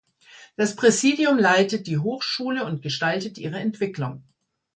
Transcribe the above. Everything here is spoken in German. Das Präsidium leitet die Hochschule und gestaltet ihre Entwicklung.